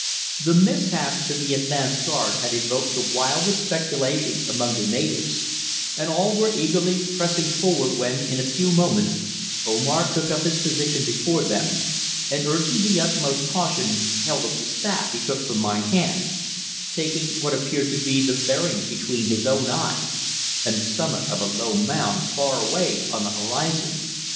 The mishap to the advance guard had evoked the wildest speculations among the natives, and all were eagerly pressing forward, when, in a few moments, Omar took up his position before them, and urging the utmost caution held up the staff he took from my hand, taking what appeared to be the bearings between his own eye and the summit of a low mound far away on the horizon.